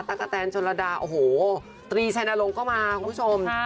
ตั๊กกะแตนจนละดาโอ้โหตรีชัยนโรงก็มาคุณผู้ชม